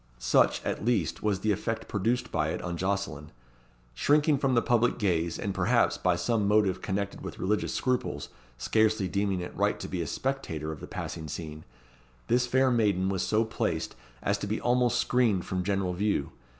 Such, at least, was the effect produced by it on Jocelyn. Shrinking from the public gaze, and, perhaps, from some motive connected with religious scruples, scarcely deeming it right to be a spectator of the passing scene, this fair maiden was so placed as to be almost screened from general view.